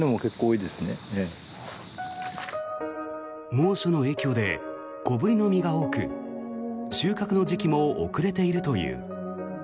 猛暑の影響で小ぶりの実が多く収穫の時期も遅れているという。